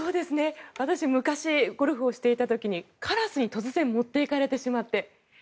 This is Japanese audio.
私、昔ゴルフをしていた時にカラスに突然持っていかれてしまって。